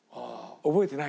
僕覚えてない。